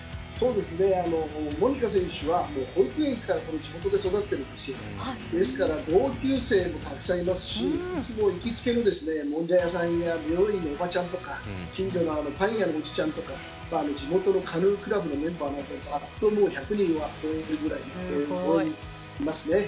モニカ選手は保育園から地元で育っていてですから同級生もたくさんいますし行きつけのもんじゃ屋さんや美容院のおばちゃんとか近所のパン屋のおじちゃんとか地元のカヌークラブのメンバーなんかざっと１００人は超えるぐらいいますね。